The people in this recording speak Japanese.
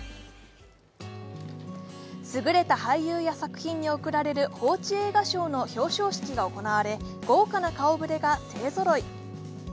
優れた俳優や作品に贈られる報知映画賞の表彰式が行われ豪華な顔ぶれが勢ぞろい。